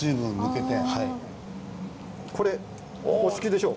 これお好きでしょう？